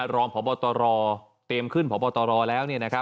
รองพบตรเตรียมขึ้นพบตรแล้ว